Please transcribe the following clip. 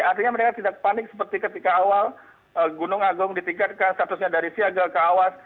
artinya mereka tidak panik seperti ketika awal gunung agung ditingkatkan statusnya dari siaga ke awas